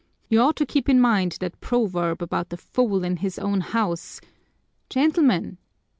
You ought to keep in mind that proverb about the fool in his own house " "Gentlemen!"